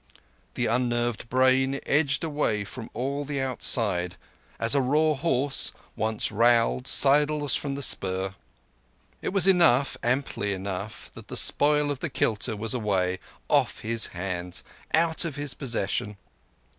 The unnerved brain edged away from all the outside, as a raw horse, once rowelled, sidles from the spur. It was enough, amply enough, that the spoil of the kilta was away—off his hands—out of his possession.